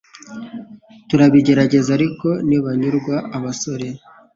turabigerageza ariko ntibanyurwa abasore.